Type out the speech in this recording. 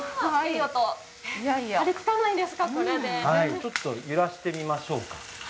ちょっと揺らしてみましょうか。